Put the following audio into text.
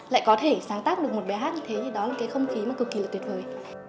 lại có thể sáng tác được một bài hát như thế thì đó là cái không khí mà cực kỳ là tuyệt vời